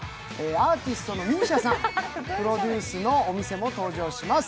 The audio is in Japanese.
アーティストのＭＩＳＩＡさんプロデュースのお店も登場します。